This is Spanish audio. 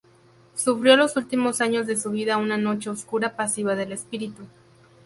Sufrió los últimos años de su vida una Noche Oscura Pasiva del Espíritu.